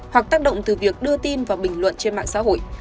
hoặc tác động từ việc đưa tin vào bình luận trên mạng xã hội